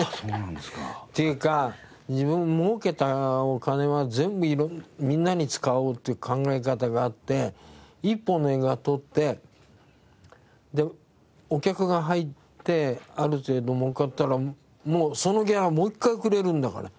っていうか自分儲けたお金は全部みんなに使おうっていう考え方があって１本の映画を撮ってでお客が入ってある程度儲かったらそのギャラをもう一回くれるんだから。